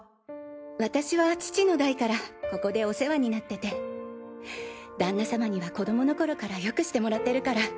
私は父の代からここでお世話になってて旦那様には子どもの頃からよくしてもらってるから。